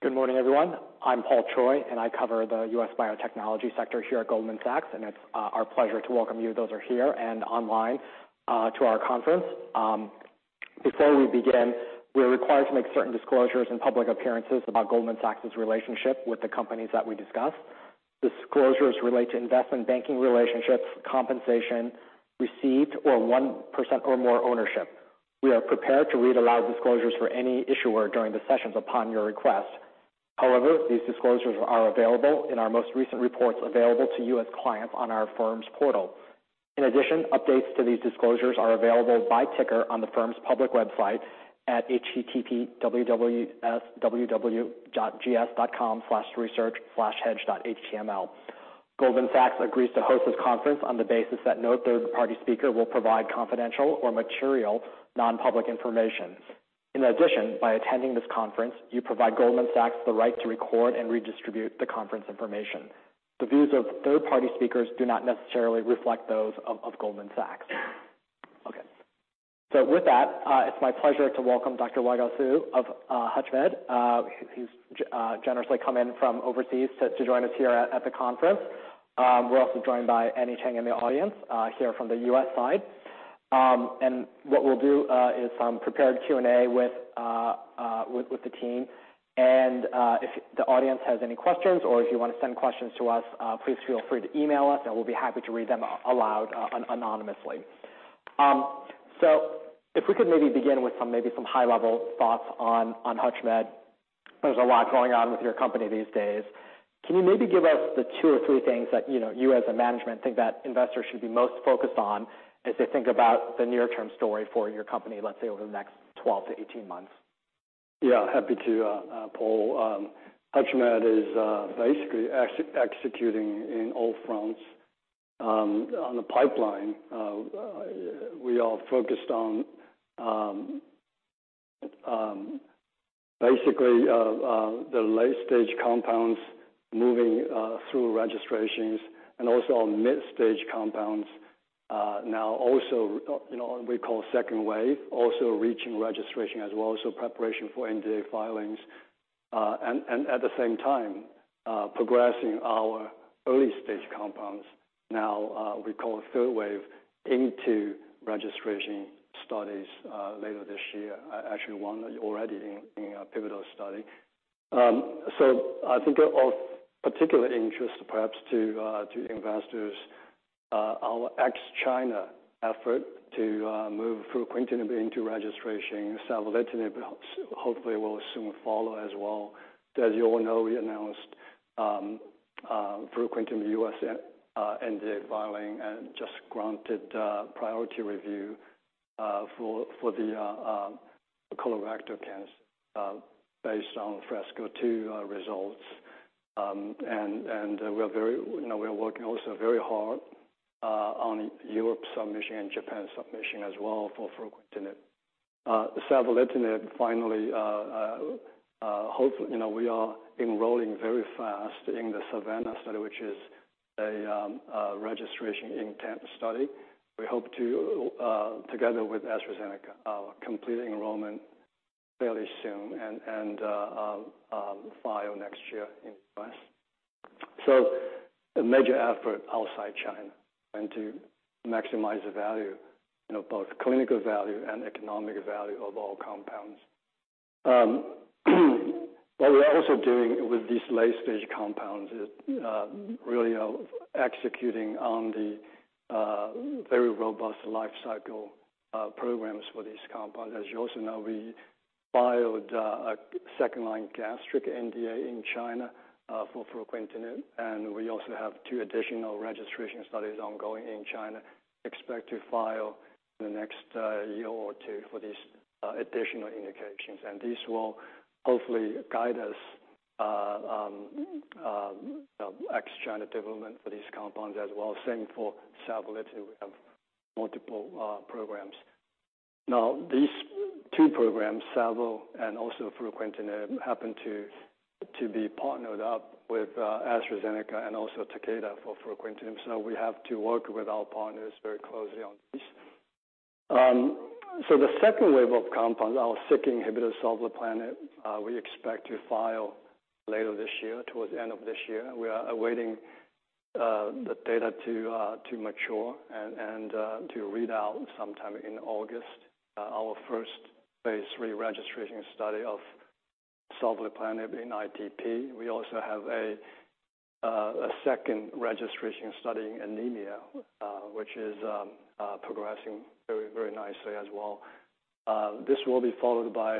Good morning, everyone. I'm Paul Choi, and I cover the U.S biotechnology sector here at Goldman Sachs, and it's our pleasure to welcome you, those are here and online, to our conference. Before we begin, we are required to make certain disclosures and public appearances about Goldman Sachs's relationship with the companies that we discuss. Disclosures relate to investment banking relationships, compensation received, or 1% or more ownership. We are prepared to read aloud disclosures for any issuer during the sessions upon your request. However, these disclosures are available in our most recent reports available to you as clients on our firm's portal. In addition, updates to these disclosures are available by ticker on the firm's public website at http://www.gs.com/research/hedge.html. Goldman Sachs agrees to host this conference on the basis that no third-party speaker will provide confidential or material non-public information. In addition, by attending this conference, you provide Goldman Sachs the right to record and redistribute the conference information. The views of third-party speakers do not necessarily reflect those of Goldman Sachs. Okay. With that, it's my pleasure to welcome Dr. Weiguo Su of HUTCHMED. He's generously come in from overseas to join us here at the conference. We're also joined by Annie Chang in the audience here from the U.S. side. What we'll do is some prepared Q&A with the team. If the audience has any questions or if you want to send questions to us, please feel free to email us, and we'll be happy to read them aloud anonymously. If we could maybe begin with some, maybe some high-level thoughts on HUTCHMED. There's a lot going on with your company these days. Can you maybe give us the two or three things that, you know, you as a management think that investors should be most focused on as they think about the near-term story for your company, let's say, over the next 12 to 18 months? Is basically executing in all fronts. On the pipeline, we are focused on basically the late-stage compounds moving through registrations and also on mid-stage compounds, now also, you know, what we call second wave, also reaching registration as well, so preparation for NDA filings. At the same time, progressing our early-stage compounds, now, we call it third wave, into registration studies later this year. Actually, one already in a pivotal study. I think of particular interest perhaps to investors, our ex China effort to move Fruquintinib into registration. Savolitinib hopefully will soon follow as well. As you all know, we announced Fruquintinib U.S. NDA filing and just granted priority review for the colorectal cancer based on FRESCO-2 results. We are working also very hard on Europe submission and Japan submission as well for Fruquintinib. Savolitinib finally, you know, we are enrolling very fast in the SAVANNAH study, which is a registration intent study. We hope to together with AstraZeneca complete enrollment fairly soon and file next year in the U.S. A major effort outside China and to maximize the value, you know, both clinical value and economic value of all compounds. What we're also doing with these late-stage compounds is really executing on the very robust life cycle programs for these compounds. As you also know, we filed a second-line gastric NDA in China for Fruquintinib, and we also have two additional registration studies ongoing in China, expect to file in the next year or two for these additional indications. This will hopefully guide us, you know, ex China development for these compounds as well. Same for Savolitinib. We have multiple programs. These two programs, salvo and also Fruquintinib, happen to be partnered up with AstraZeneca and also Takeda for Fruquintinib. We have to work with our partners very closely on this. The second wave of compounds, our Seeking inhibitors, savolitinib, we expect to file later this year, towards the end of this year. We are awaiting the data to mature and to read out sometime in August, our first phase III registration study of Savolitinib in ITP. We also have a second registration study in anemia, which is progressing very nicely as well. This will be followed by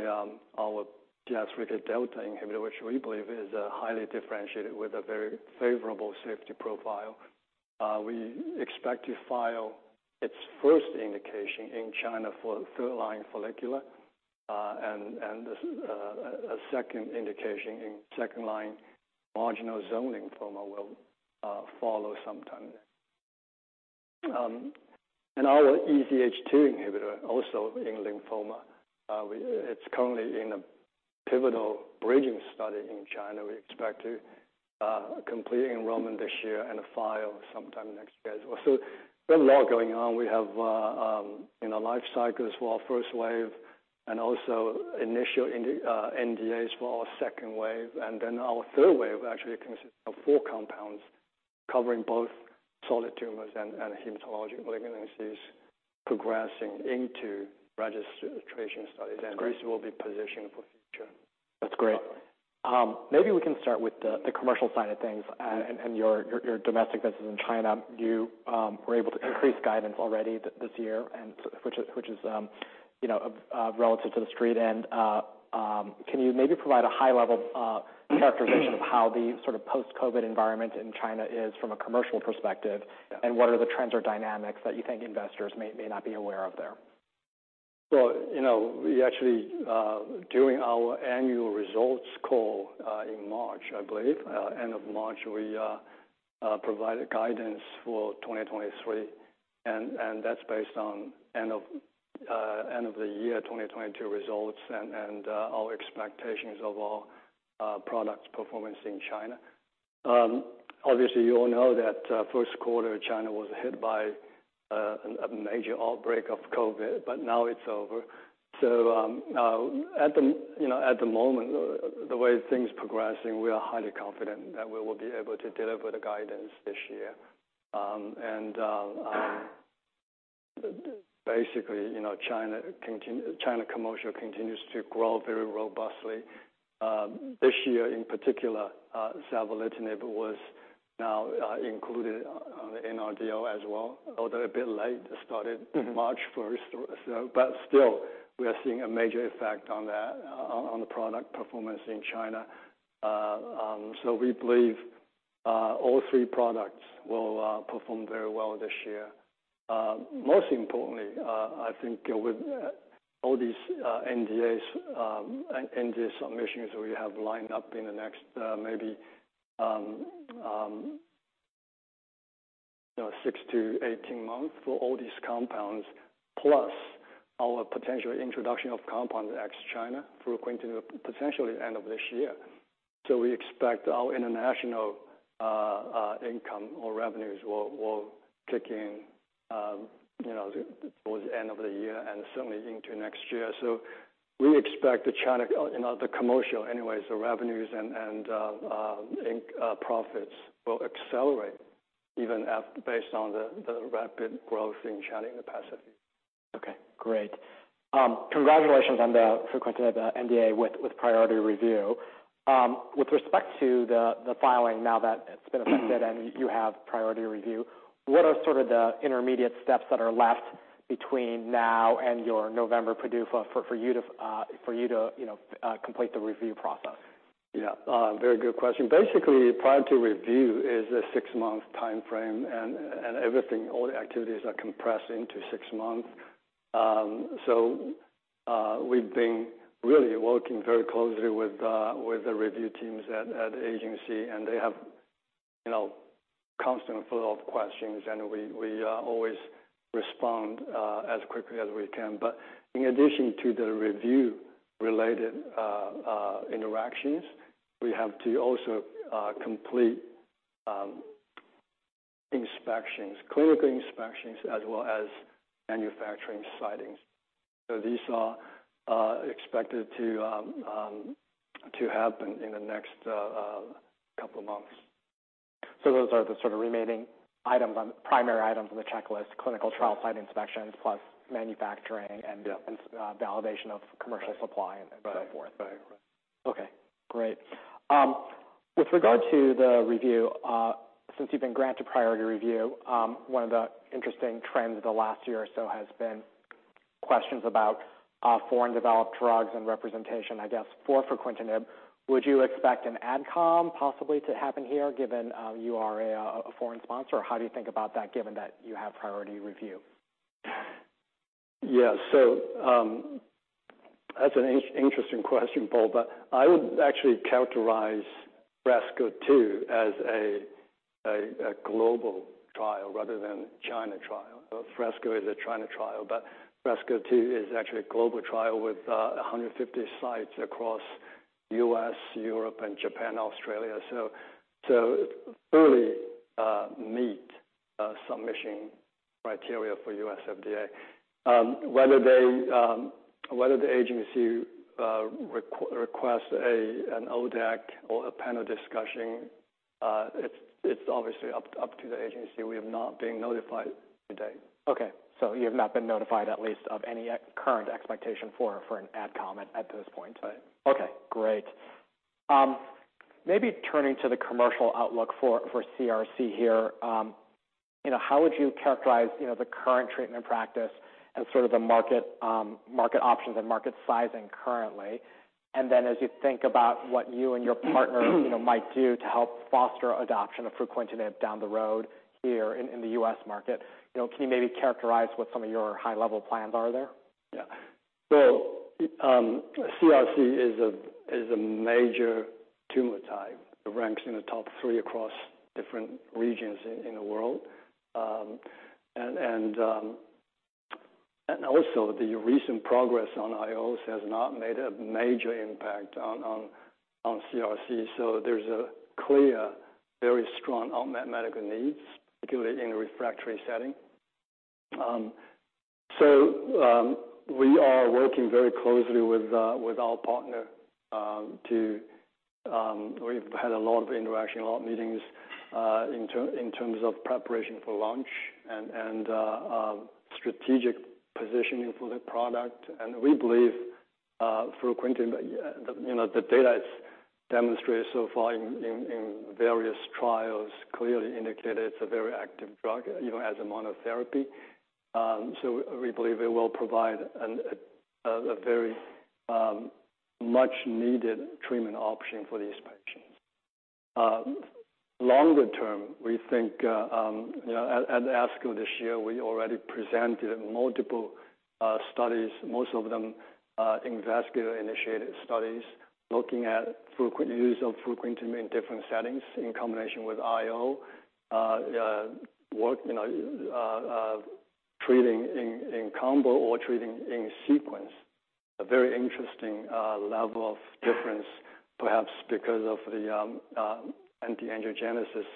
our JAK delta inhibitor, which we believe is highly differentiated with a very favorable safety profile. We expect to file its first indication in China for third-line follicular and a second indication in second-line marginal zone lymphoma will follow sometime. Our EZH2 inhibitor, also in lymphoma, it's currently in a pivotal bridging study in China. We expect to complete enrollment this year and file sometime next year. We have a lot going on. We have, you know, life cycles for our first wave and also initial NDAs for our second wave. Our third wave actually consists of four compounds covering both solid tumors and hematological malignancies progressing into registration studies. CRC will be positioned for future. That's great. Maybe we can start with the commercial side of things and your domestic business in China. You were able to increase guidance already this year, which is, you know, relative to the street. Can you maybe provide a high level characterization of how the sort of post-COVID environment in China is from a commercial perspective? What are the trends or dynamics that you think investors may not be aware of there? You know, we actually, during our annual results call, in March, I believe, end of March, we provided guidance for 2023. That's based on end of end of the year 2022 results and our expectations of our products' performance in China. Obviously, you all know that, first quarter, China was hit by a major outbreak of COVID, but now it's over. Now at the, you know, at the moment, the way things progressing, we are highly confident that we will be able to deliver the guidance this year. Basically, you know, China commercial continues to grow very robustly. This year in particular, Savolitinib was now included on the NRDL as well, although a bit late, it started March 1st. Still, we are seeing a major effect on the product performance in China. We believe all three products will perform very well this year. Most importantly, I think with all these NDAs and NDA submissions we have lined up in the next maybe, you know, 6-18 months for all these compounds, plus our potential introduction of compound X China through potentially the end of this year. We expect our international income or revenues will kick in, you know, towards the end of the year and certainly into next year. We expect the China, you know, the commercial anyways, the revenues and profits will accelerate even at based on the rapid growth in China in the past few years. Okay, great. Congratulations on the Fruquintinib, the NDA with priority review. With respect to the filing now that it's been accepted and you have priority review, what are sort of the intermediate steps that are left between now and your November PDUFA for you to, you know, complete the review process? Yeah, very good question. Basically, priority review is a six-month time frame, and everything, all the activities are compressed into six months. We've been really working very closely with the review teams at the agency, and they have, you know, constant flow of questions, and we always respond as quickly as we can. In addition to the review related interactions, we have to also complete inspections, clinical inspections, as well as manufacturing sightings. These are expected to happen in the next couple of months. Those are the sort of remaining items on, primary items on the checklist, clinical trial site inspections, plus. Yeah. Validation of commercial supply and so forth. Right. Right. Okay, great. With regard to the review, since you've been granted priority review, one of the interesting trends of the last year or so has been questions about foreign developed drugs and representation, I guess, for Fruquintinib. Would you expect an Adcom possibly to happen here given you are a foreign sponsor? How do you think about that, given that you have priority review? Yeah. That's an interesting question, Paul, but I would actually characterize FRESCO-2 as a global trial rather than China trial. FRESCO is a China trial, but FRESCO-2 is actually a global trial with 150 sites across U.S, Europe, and Japan, Australia. It fully meet submission criteria for U.S FDA. Whether they, whether the agency requests an ODAC or a panel discussion, it's obviously up to the agency. We have not been notified to date. Okay. You have not been notified at least of any current expectation for an Adcom at this point? Right. Okay, great. maybe turning to the commercial outlook for CRC here. you know, how would you characterize, you know, the current treatment practice and sort of the market options and market sizing currently? Then as you think about what you and your partner, you know, might do to help foster adoption of Fruquintinib down the road here in the U.S. market, you know, can you maybe characterize what some of your high-level plans are there? Yeah. CRC is a major tumor type. It ranks in the top three across different regions in the world. Also the recent progress on IOs has not made a major impact on CRC. There's a clear, very strong unmet medical needs, particularly in the refractory setting. We are working very closely with our partner to, we've had a lot of interaction, a lot of meetings in terms of preparation for launch and strategic positioning for the product. We believe fruquintinib, you know, the data is demonstrated so far in various trials, clearly indicated it's a very active drug, even as a monotherapy. We believe it will provide a very much needed treatment option for these patients. Ink, you know, at ASCO this year, we already presented multiple studies, most of them investigatory-initiated studies, looking at Fruquintinib, use of Fruquintinib in different settings in combination with IO. Work, you know, treating in combo or treating in sequence, a very interesting level of difference, perhaps because of the anti-angiogenesis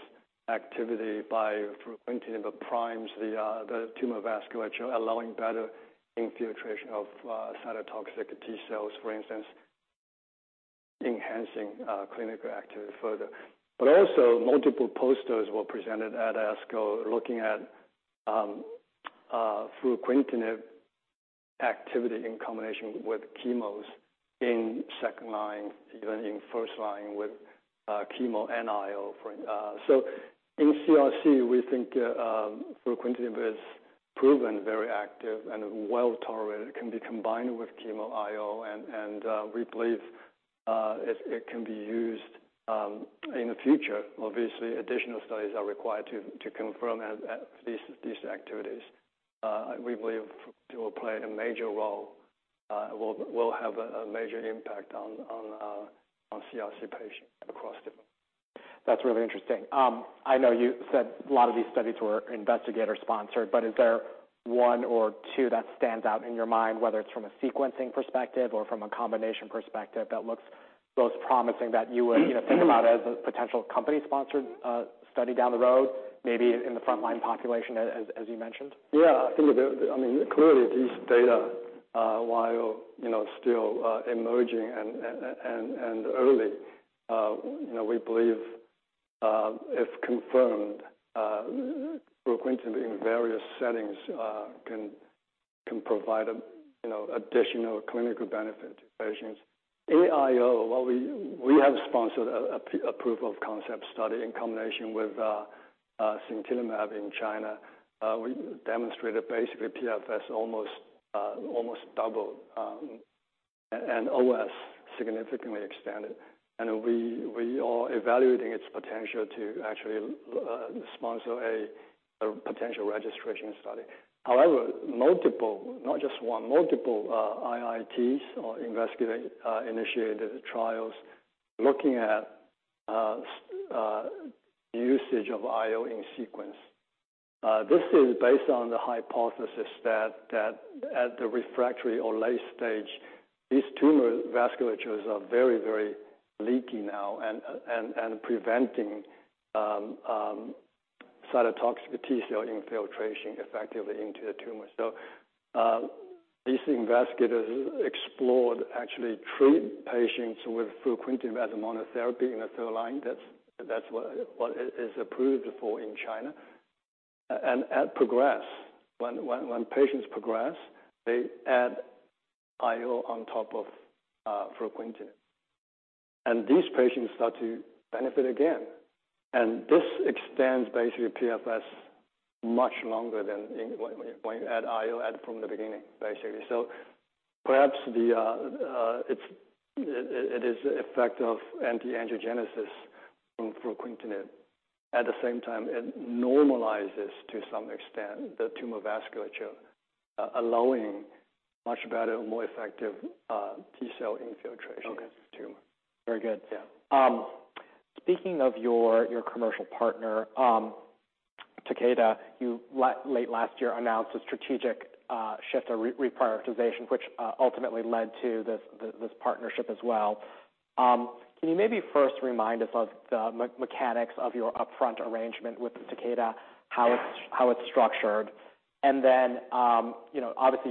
activity by Fruquintinib, it primes the tumor vasculature, allowing better infiltration of cytotoxic T cells, for instance, enhancing clinical activity further. Also, multiple posters were presented at ASCO, looking at Fruquintinib activity in combination with Chemos in second line, even in first line with chemo and IO for. In CRC, we think Fruquintinib is proven very active and well tolerated It can be combined with Chemo IO, and we believe it can be used in the future. Obviously, additional studies are required to confirm these activities. We believe it will play a major role, will have a major impact on CRC patients across the world. That's really interesting. I know you said a lot of these studies were investigator sponsored, is there one or two that stands out in your mind, whether it's from a sequencing perspective or from a combination perspective, that looks most promising, that you would, you know, think about as a potential company-sponsored, study down the road, maybe in the frontline population, as you mentioned? Yeah, I think, I mean, clearly, these data, while, you know, still emerging and early, you know, we believe, if confirmed, Fruquintinib in various settings, can provide, you know, additional clinical benefit to patients. In IO, well, we have sponsored a proof of concept study in combination with Sintilimab in China. We demonstrated basically PFS almost almost doubled, and OS significantly expanded. We are evaluating its potential to actually sponsor a potential registration study. However, multiple, not just one, multiple IITs or investigator initiated trials looking at usage of IO in sequence. This is based on the hypothesis that at the refractory or late stage, these tumor vasculatures are very, very leaky now and preventing cytotoxic T cell infiltration effectively into the tumor. These investigators explored actually treating patients with Fruquintinib as a monotherapy in a third line. That's what it's approved for in China. At progress, when patients progress, they add IO on top of Fruquintinib, and these patients start to benefit again. This extends basically PFS much longer than when you add IO from the beginning, basically. Perhaps it is the effect of anti-angiogenesis from Fruquintinib. At the same time, it normalizes, to some extent, the tumor vasculature, allowing much better and more effective T cell infiltration. Okay. Into the tumor. Very good. Yeah. Speaking of your commercial partner, Takeda, you late last year announced a strategic shift or reprioritization, which ultimately led to this partnership as well. Can you maybe first remind us of the mechanics of your upfront arrangement with Takeda, how it's structured? You know, obviously,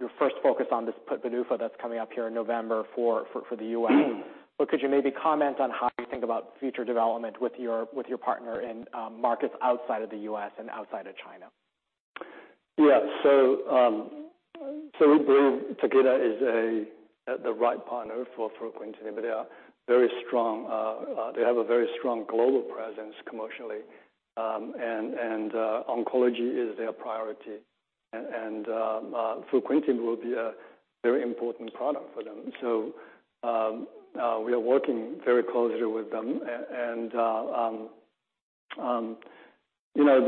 you're first focused on this Fruquintinib that's coming up here in November for the U.S. Mm-hmm. Could you maybe comment on how you think about future development with your partner in markets outside of the U.S. and outside of China? We believe Takeda is the right partner for Fruquintinib. They are very strong. They have a very strong global presence commercially. Oncology is their priority. Fruquintinib will be a very important product for them. We are working very closely with them. You know,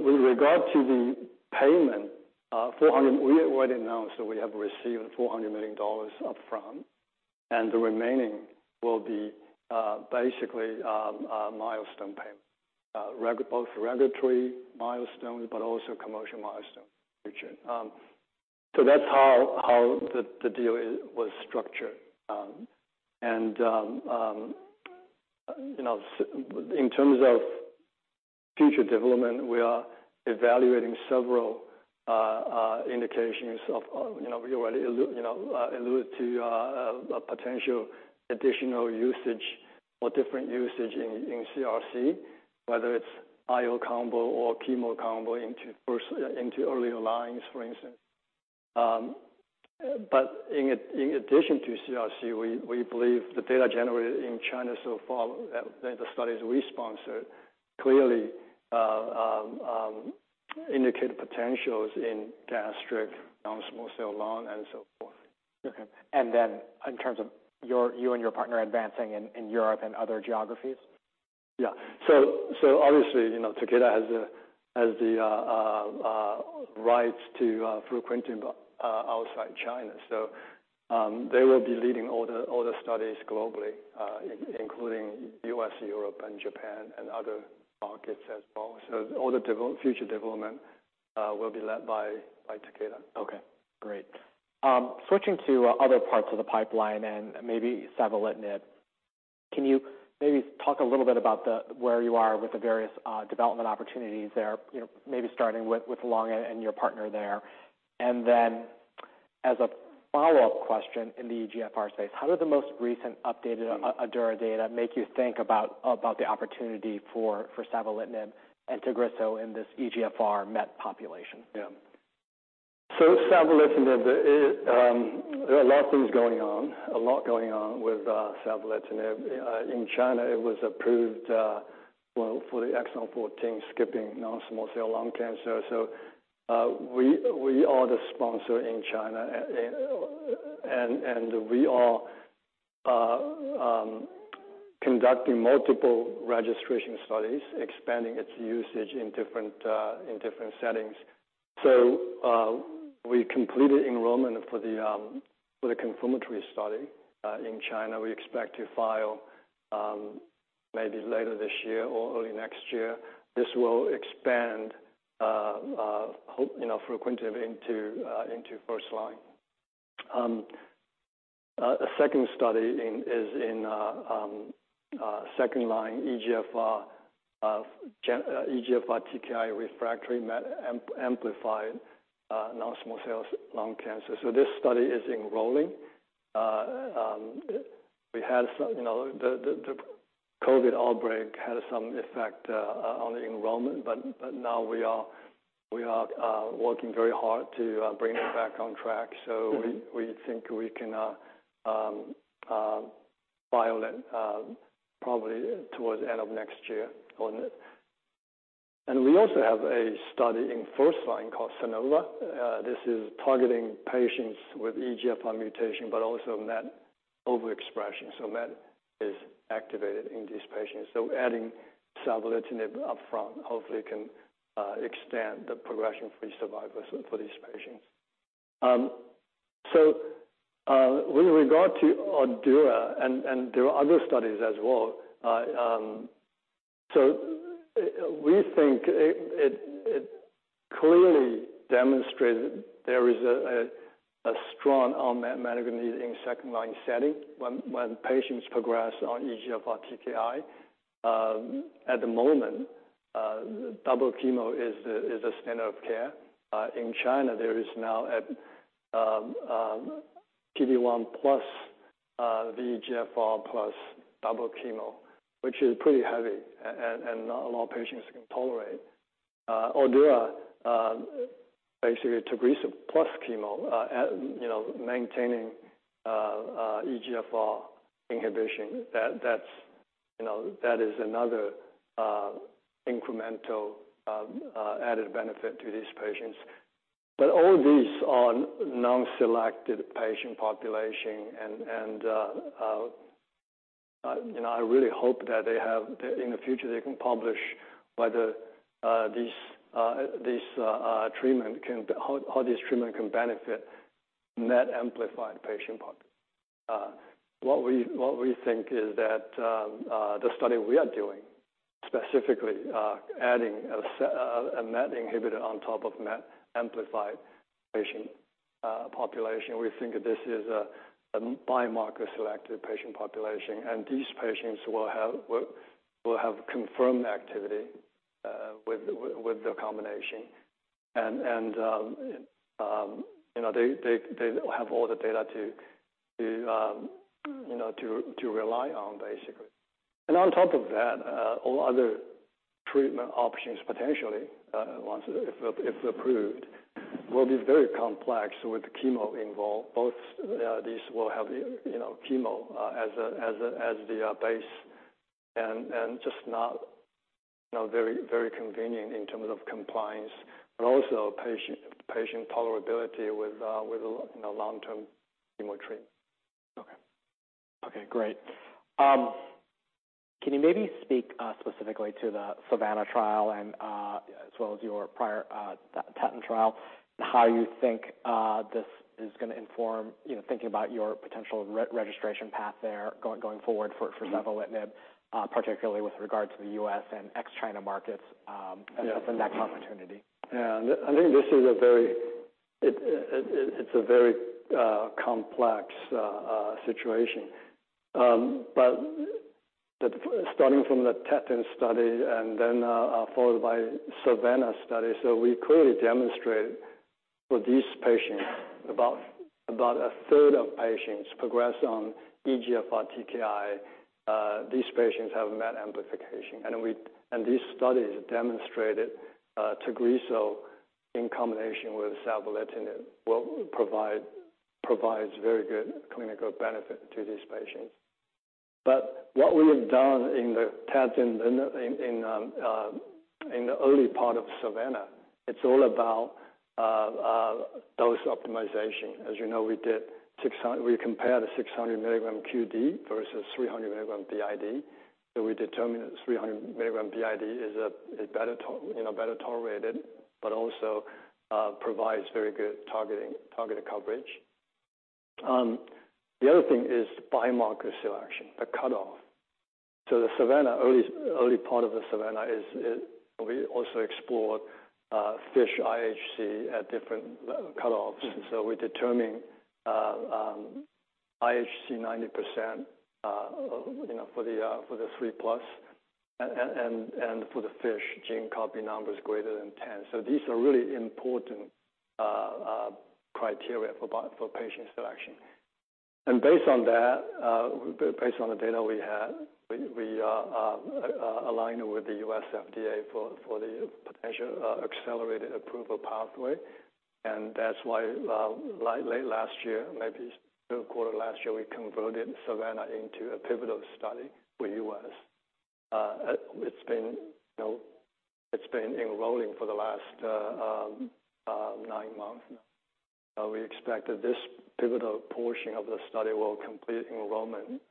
with regard to the payment, We already announced that we have received $400 million upfront. The remaining will be basically a milestone payment. Both regulatory milestones, but also commercial milestones in the future. That's how the deal is, was structured. You know, in terms of future development, we are evaluating several indications of, you know, we already you know, alluded to a potential additional usage or different usage in CRC, whether it's IO combo or chemo combo into earlier lines, for instance. In addition to CRC, we believe the data generated in China so far, the studies we sponsored, clearly indicate potentials in gastric, non-small cell lung, and so forth. Okay. Then in terms of your, you and your partner advancing in Europe and other geographies? Obviously, you know, Takeda has the rights to Fruquintinib outside China. They will be leading all the studies globally, including U.S., Europe, and Japan, and other markets as well. All the future development will be led by Takeda. Okay, great. Switching to other parts of the pipeline and maybe Savolitinib, can you maybe talk a little bit about the, where you are with the various development opportunities there, you know, maybe starting with Longan and your partner there? As a follow-up question in the EGFR space, how does the most recent updated Adura data make you think about the opportunity for Savolitinib and TAGRISSO in this EGFR MET population? Yeah. Savolitinib, there are a lot of things going on, a lot going on with Savolitinib. In China, it was approved, well, for the exon 14 skipping non-small cell lung cancer. We are the sponsor in China, and we are conducting multiple registration studies, expanding its usage in different settings. We completed enrollment for the confirmatory study. In China, we expect to file maybe later this year or early next year. This will expand, you know, Fruquintinib into first line. A second study is in second line EGFR EGFR TKI refractory MET amplified non-small cell lung cancer. This study is enrolling. We had some, you know, the COVID outbreak had some effect on the enrollment, but now we are working very hard to bring it back on track. Mm-hmm. We think we can file it probably towards the end of next year on it. We also have a study in first line called SANOVO. This is targeting patients with EGFR mutation, but also MET overexpression, so MET is activated in these patients. Adding Savolitinib upfront, hopefully can extend the progression-free survival for these patients. With regard to ADAURA, and there are other studies as well. We think it clearly demonstrated there is a strong on MET mechanism in second-line setting when patients progress on EGFR TKI. At the moment, double chemo is the standard of care. In China, there is now PD-1 plus the EGFR plus double chemo, which is pretty heavy, and not a lot of patients can tolerate. ADAURA, basically TAGRISSO plus chemo, you know, maintaining EGFR inhibition, that's, you know, that is another incremental added benefit to these patients. All these are non-selected patient population, and, you know, I really hope that in the future, they can publish whether this treatment can benefit MET-amplified patient pop. What we think is that the study we are doing, specifically, adding a set MET inhibitor on top of MET-amplified patient population, we think this is a biomarker-selected patient population. These patients will have confirmed activity with the combination. You know, they have all the data to rely on, basically. On top of that, all other treatment options, potentially, once approved, will be very complex with the chemo involved. Both, these will have, you know, chemo as the base, and just not very convenient in terms of compliance, but also patient tolerability with, you know, long-term chemo treatment. Okay. Okay, great. Can you maybe speak specifically to the SAVANNAH trial and as well as your prior TATTON trial, how you think this is going to inform, you know, thinking about your potential re-registration path there, going forward for Savolitinib, particularly with regard to the U.S. and Ex-China markets? Yeah. As the next opportunity? I think this is a very complex situation. Starting from the TATTON study and then followed by SAVANNAH study, we clearly demonstrated for these patients, about a third of patients progressed on EGFR TKI. These patients have MET amplification, and these studies demonstrated TAGRISSO in combination with Savolitinib provides very good clinical benefit to these patients. What we have done in the TATTON and in the early part of SAVANNAH, it's all about dose optimization. As you know, we compared the 600 milligram QD versus 300 milligram BID. We determined that 300 milligram BID is better to, you know, better tolerated, but also provides very good targeted coverage. The other thing is biomarker selection, the cutoff. The SAVANNAH early part of the SAVANNAH is we also explored FISH IHC at different cutoffs. We determine IHC 90%, you know, for the for the three plus, and for the FISH gene copy numbers greater than 10. These are really important criteria for patient selection. Based on that, based on the data we have, we are aligned with the US FDA for the potential accelerated approval pathway. That's why late last year, maybe 3rd quarter last year, we converted SAVANNAH into a pivotal study for US. It's been, you know, it's been enrolling for the last nine months now. We expect that this pivotal portion of the study will complete enrollment,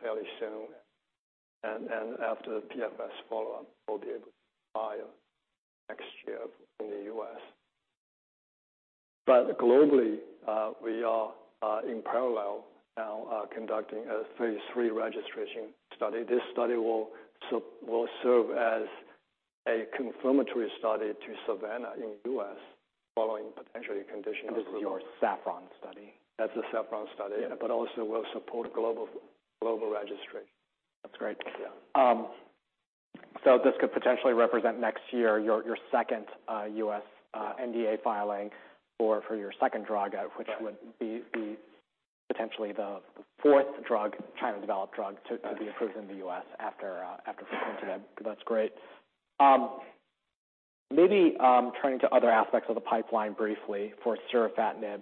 fairly soon. After the PFS follow-up, we'll be able to file next year in the U.S. Globally, we are, in parallel now, conducting a phase III registration study. This study will serve as a confirmatory study to SAVANNAH in U.S., following potentially conditional. This is your SAPPHIRE study. That's the SAPPHIRE study. Yeah. Also will support global registration. That's great. Yeah. This could potentially represent next year, your second, US, NDA filing or for your second drug. Right. Which would be potentially the fourth drug, China-developed drug to be approved in the U.S. after Savolitinib. That's great. Maybe turning to other aspects of the pipeline briefly for Surufatinib.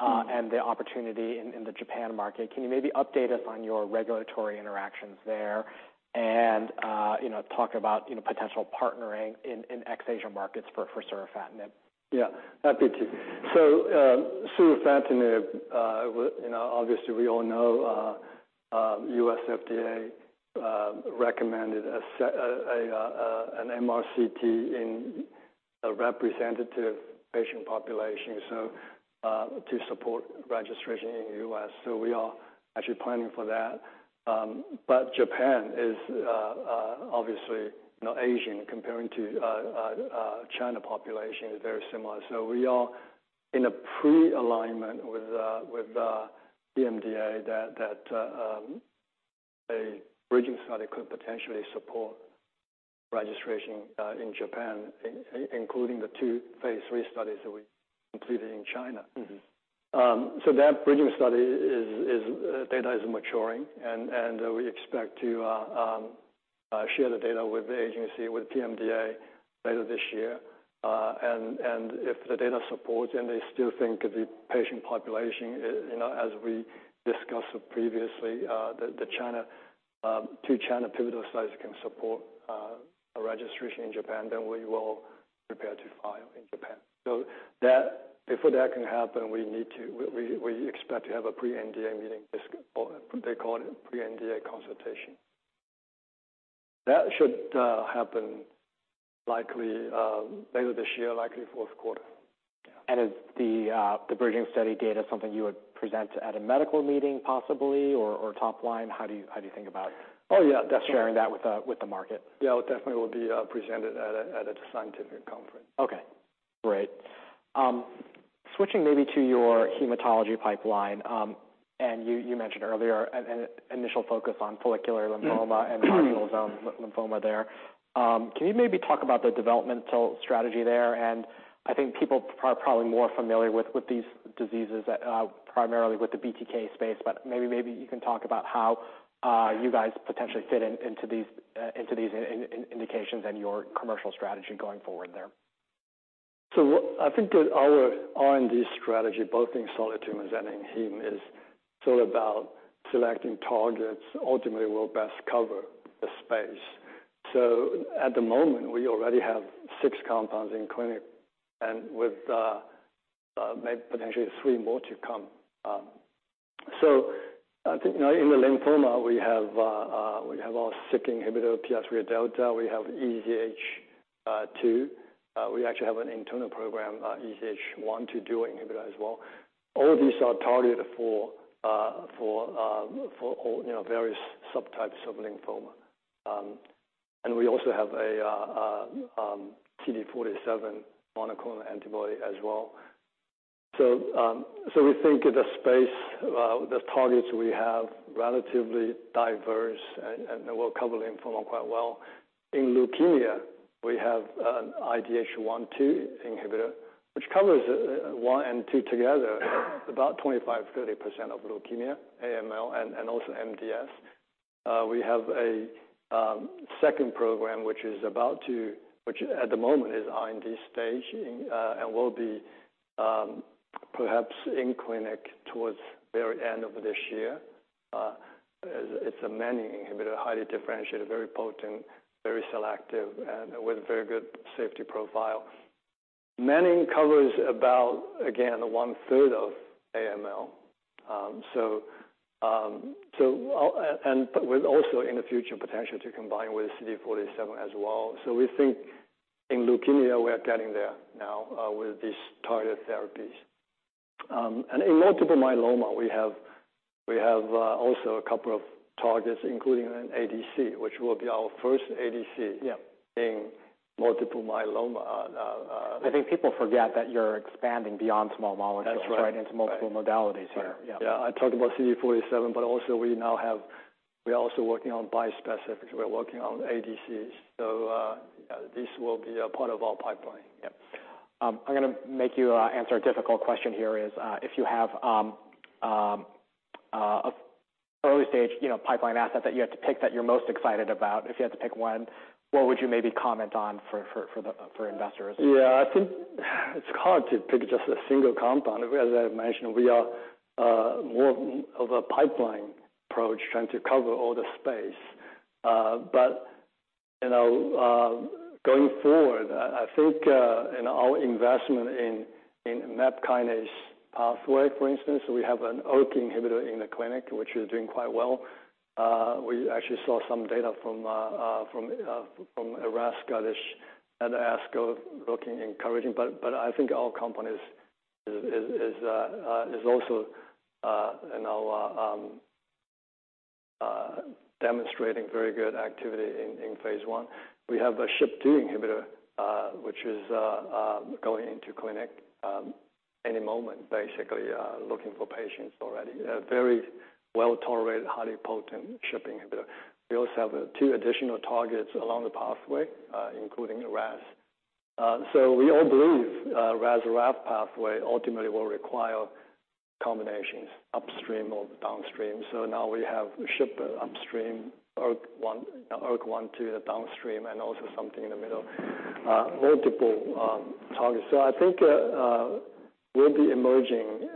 Mm-hmm. The opportunity in the Japan market. Can you maybe update us on your regulatory interactions there and, you know, talk about, you know, potential partnering in Ex-Asia markets for Surufatinib? Yeah, happy to. Surufatinib, you know, obviously, we all know, US FDA recommended an MRCT in a representative patient population to support registration in the US. We are actually planning for that. Japan is, obviously, you know, Asian, comparing to China population, is very similar. We are in a pre-alignment with the PMDA, that a bridging study could potentially support registration in Japan, in- including the 2 phase 3 studies that we completed in China. Mm-hmm. That bridging study is data is maturing, and we expect to share the data with the agency, with PMDA, later this year. If the data supports and they still think the patient population, you know, as we discussed previously, the two China pivotal studies can support a registration in Japan, then we will prepare to file in Japan. Before that can happen, we expect to have a pre-NDA meeting, they call it pre-NDA consultation. That should happen likely later this year, likely fourth quarter. Is the bridging study data something you would present at a medical meeting, possibly, or top line? How do you think about? Oh, yeah, definitely. Sharing that with the market? Yeah, it definitely will be presented at a scientific conference. Okay, great. Switching maybe to your hematology pipeline, you mentioned earlier an initial focus on follicular lymphoma. Mm-hmm. Marginal zone lymphoma there. Can you maybe talk about the developmental strategy there? I think people are probably more familiar with these diseases, primarily with the BTK space. Maybe you can talk about how you guys potentially fit into these indications and your commercial strategy going forward there. I think our R&D strategy, both in solid tumors and in hem, is sort of about selecting targets ultimately will best cover the space. At the moment, we already have six compounds in clinic, and with, maybe potentially three more to come. I think now in the lymphoma we have our Syk inhibitor, PI3 Delta. We have EZH2. We actually have an internal program, EZH1 to do an inhibitor as well. All of these are targeted for, you know, various subtypes of lymphoma. And we also have a CD47 monoclonal antibody as well. We think the space, the targets we have relatively diverse and will cover lymphoma quite well. In Leukemia, we have an IDH1,2 inhibitor, which covers one and two together, about 25%-30% of leukemia, AML, and also MDS. We have a second program, which at the moment is in this stage, and will be perhaps in clinic towards very end of this year. It's a Menin inhibitor, highly differentiated, very potent, very selective, and with very good safety profile. Menin covers about, again, one-third of AML. With also in the future potential to combine with CD47 as well. We think in leukemia, we are getting there now, with these targeted therapies. In multiple myeloma, we have also a couple of targets, including an ADC, which will be our first ADC. Yeah. In multiple myeloma. I think people forget that you're expanding beyond small molecules. That's right. Right, into multiple modalities here. Yeah. Yeah. I talked about CD47, but also we're also working on Bispecifics. We're working on ADCs. Yeah, this will be a part of our pipeline. Yep. I'm going to make you answer a difficult question here is, if you have a early stage, you know, pipeline asset that you have to pick that you're most excited about, if you had to pick 1, what would you maybe comment on for the investors? Yeah, I think it's hard to pick just a single compound. As I mentioned, we are more of a pipeline approach, trying to cover all the space. You know, going forward, I think in our investment in MAP kinase pathway, for instance, we have an ERK inhibitor in the clinic, which is doing quite well. We actually saw some data from RAS-targeted at ASCO, looking encouraging. I think our company is also, you know, demonstrating very good activity in phase I. We have a SHP2 inhibitor, which is going into clinic any moment, basically, looking for patients already. A very well-tolerated, highly potent SHP inhibitor. We also have two additional targets along the pathway, including RAS. We all believe, RAS RAF pathway ultimately will require combinations upstream or downstream. Now we have SHP upstream, ERK1/2 the downstream, and also something in the middle, multiple targets. I think, we'll be emerging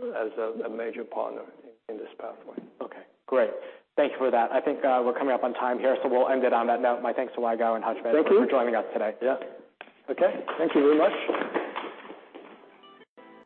as a major partner in this pathway. Okay, great. Thank you for that. I think, we're coming up on time here, so we'll end it on that note. My thanks to Weiguo and HUTCHMED. Thank you. For joining us today. Yeah. Okay. Thank you very much.